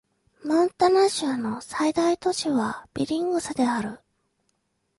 モンタナ州の最大都市はビリングスである